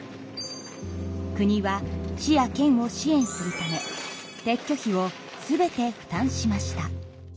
国は市や県を支援するため撤去費を全て負担しました。